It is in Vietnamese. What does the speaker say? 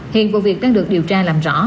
hiện vụ việc đang được điều tra làm rõ